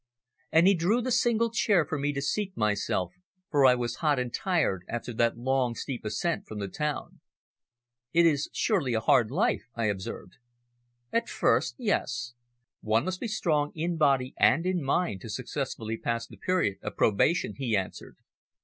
And he drew the single chair for me to seat myself, for I was hot and tired after that long, steep ascent from the town. "It is surely a hard life," I observed. "At first, yes. One must be strong in body and in mind to successfully pass the period of probation," he answered.